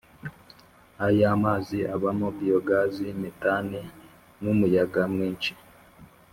Aya amazi abamo biyogazi metani n umuyaga mwinshi